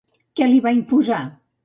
Què li va imposar?